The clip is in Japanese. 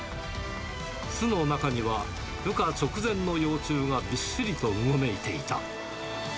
巣の中には羽化直前の幼虫がびっしりとうごめいていた。